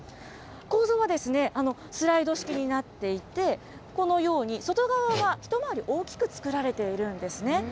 構造は、スライド式になっていて、このように、外側は一回り大きく作られているんですね。